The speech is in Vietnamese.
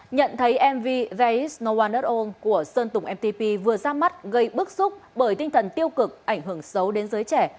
nhận thấy mv there is no one at all của sơn tùng mtp vừa ra mắt gây bức xúc bởi tinh thần tiêu cực ảnh hưởng xấu đến giới trẻ